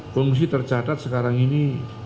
pengungsi tercatat sekarang ini